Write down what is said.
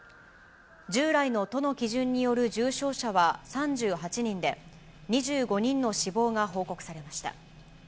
従来の都の基準による重症者は３８人で、２５人の死亡が報告されました。